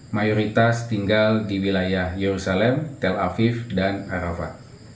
mayoritas tinggal di wilayah yerusalem tel aviv dan arafah